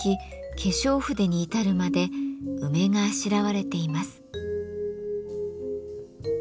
化粧筆に至るまで梅があしらわれています。